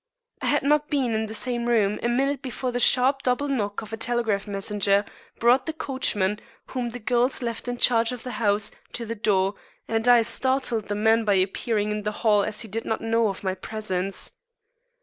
I had not been in the room a minute before the sharp double knock of a telegraph messenger brought the coachman, whom the girls left in charge of the house, to the door, and I startled the man by appearing in the hall, as he did not know of my presence.